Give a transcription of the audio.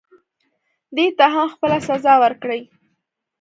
دې ته هم خپله سزا ورکړئ.